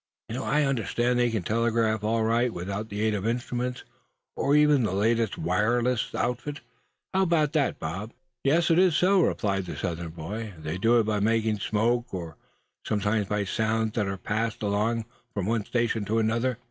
I understand they can telegraph all right without the aid of instruments, or even the latest wireless outfit. How about that, Bob?" "Yes, it is so," replied the Southern boy. "They do it by making smokes; or sometimes by sounds that are passed along from one station to another.